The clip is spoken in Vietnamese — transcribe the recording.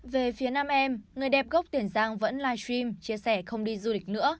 về phía nam em người đẹp gốc tiền giang vẫn livestream chia sẻ không đi du lịch nữa